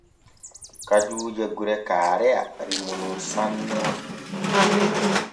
Kajuuje gure Kaareya rimu nun sanne.